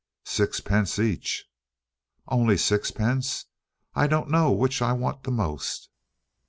"Sixpence each." "Only sixpence! I don't know which I want the most."